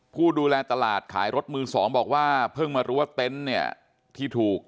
ผู้ดูแลตลาดขายรถมือ๒บอกว่าเพิ่งมารู้ว่าเต้นที่ถูก